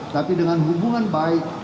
tapi dengan hubungan baik